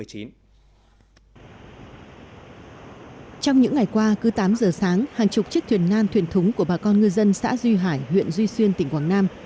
trong những ngày qua cứ tám giờ sáng hàng chục chiếc thuyền nan thuyền thúng của bà con ngư dân xã duy hải huyện duy xuyên tỉnh quảng nam